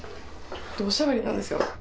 でおしゃべりなんですよ。